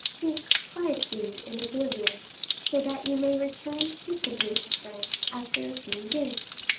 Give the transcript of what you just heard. Seek quietude and oblivion, so that you may return peaceably to France after a few years.